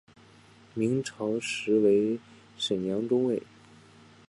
明朝时为沈阳中卫。